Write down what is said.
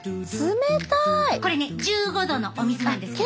これね１５度のお水なんですけど。